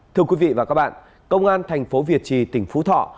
thưa quý vị và các bạn công an thành phố việt trì tỉnh phú thọ